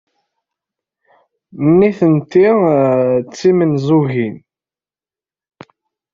Nitenti d timenzugin.